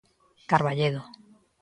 Carballedo.